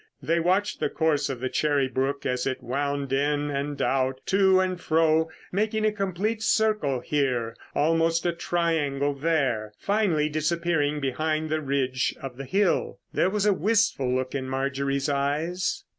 They watched the course of the Cherry Brook as it wound in and out, to and fro, making a complete circle here, almost a triangle there, finally disappearing behind the ridge of hill. There was a wistful look in Marjorie's eyes.